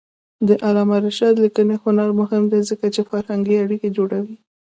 د علامه رشاد لیکنی هنر مهم دی ځکه چې فرهنګي اړیکې جوړوي.